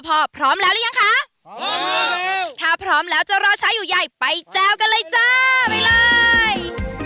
พร้อมแล้วหรือยังคะถ้าพร้อมแล้วจะรอช้าอยู่ใหญ่ไปแจวกันเลยจ้าไปเลย